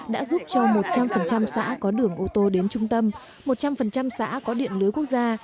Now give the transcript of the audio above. đã giúp cho một trăm linh xã có đường ô tô đến trung tâm một trăm linh xã có điện lưới quốc gia